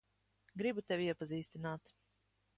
Gribu tevi iepazīstināt.